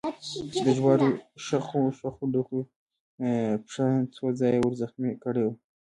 چې د جوارو شخو شخو ډکو پښه څو ځایه ور زخمي کړې وه.